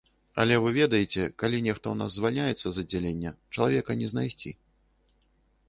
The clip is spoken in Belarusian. Але вы ведаеце, калі нехта ў нас звальняецца з аддзялення, чалавека не знайсці.